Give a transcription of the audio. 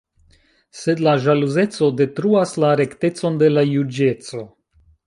Sed la ĵaluzeco detruas la rektecon de la juĝeco.